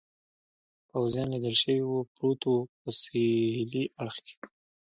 پوځیان لیدل شوي و، پروت و، په سهېلي اړخ کې.